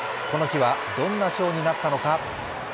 この日はどんなショーになったのか。